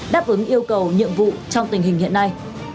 đáp ứng yêu cầu nhiệm vụ trong tình hình hiện nay